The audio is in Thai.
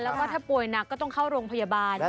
แล้วก็ถ้าป่วยหนักก็ต้องเข้าโรงพยาบาล